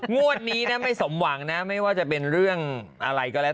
งวดนี้นะไม่สมหวังนะไม่ว่าจะเป็นเรื่องอะไรก็แล้ว